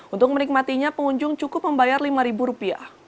untuk menikmatinya pengunjung cukup membayar rp lima